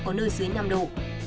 có nơi dưới năm độ